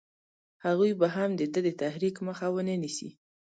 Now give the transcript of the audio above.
هغوی به هم د ده د تحریک مخه ونه نیسي.